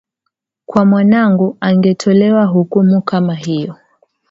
kwa mwanangu angetolewa hukumu kama hiyo